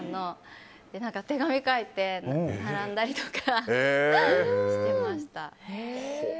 手紙書いて並んだりとかしてました。